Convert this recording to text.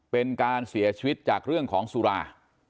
เป็นการเสียชีวิตจากเรื่องของสุรา